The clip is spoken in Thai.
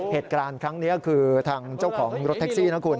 เหตุการณ์ครั้งนี้คือทางเจ้าของรถแท็กซี่นะคุณ